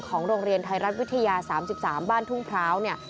โรงเรียนไทยรัฐวิทยา๓๓บ้านทุ่งพร้าวเนี่ย